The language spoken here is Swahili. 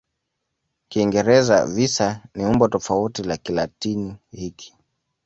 Kiingereza "visa" ni umbo tofauti la Kilatini hiki.